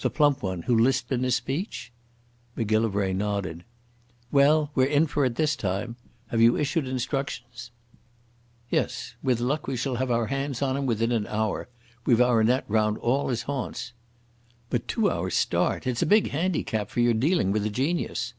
"The plump one who lisped in his speech?" Macgillivray nodded. "Well, we're in for it this time. Have you issued instructions?" "Yes. With luck we shall have our hands on him within an hour. We've our net round all his haunts." "But two hours' start! It's a big handicap, for you're dealing with a genius."